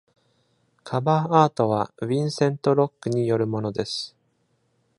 カバーアートはヴィンセントロックによるものです。